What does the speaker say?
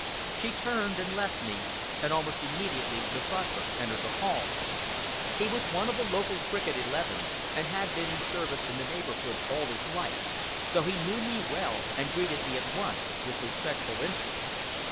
She turned and left me, and almost immediately the butler entered the hall. He was one of the local cricket eleven, and had been in service in the neighborhood all his life, so he knew me well, and greeted me at once with respectful interest.